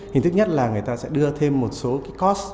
hình thức nhất là người ta sẽ đưa thêm một số cái cost